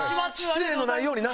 失礼のないようにな。